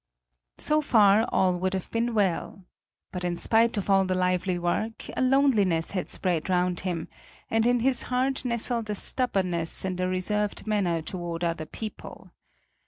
So far all would have been well. But in spite of all the lively work, a loneliness had spread round him, and in his heart nestled a stubbornness and a reserved manner toward other people.